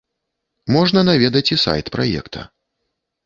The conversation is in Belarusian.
Можна наведаць і сайт праекта.